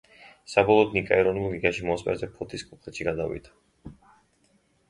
საბოლოოდ ნიკა ეროვნულ ლიგაში მოასპარეზე ფოთის „კოლხეთში“ გადავიდა.